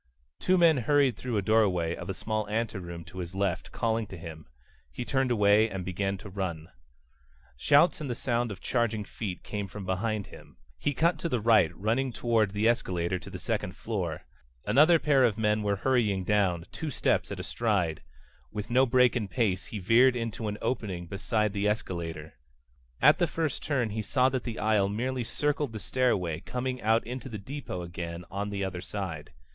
Two men hurried through a doorway of a small anteroom to his left, calling to him. He turned away and began to run. Shouts and the sound of charging feet came from behind him. He cut to the right, running toward the escalator to the second floor. Another pair of men were hurrying down, two steps at a stride. With no break in pace he veered into an opening beside the escalator. At the first turn he saw that the aisle merely circled the stairway, coming out into the depot again on the other side.